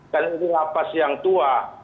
kan ini la paz yang tua